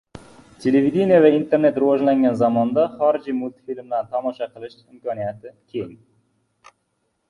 – Televideniye va internet rivojlangan zamonda xorij multfilmlarini tomosha qilish imkoniyati keng.